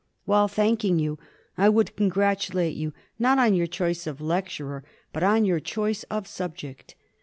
While thanking you I would congratulate you, not on your choice of lecturer, but on your choice of subject.